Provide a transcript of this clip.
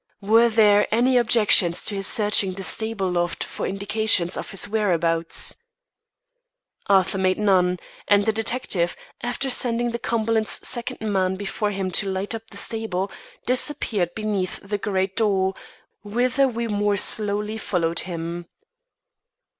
Were there any objections to his searching the stable loft for indications of his whereabouts? Arthur made none; and the detective, after sending the Cumberlands' second man before him to light up the stable, disappeared beneath the great door, whither we more slowly followed him.